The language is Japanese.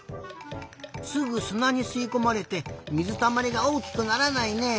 すぐすなにすいこまれて水たまりがおおきくならないね。